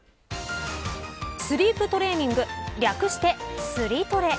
スリープトレーニング略して、スリトレ。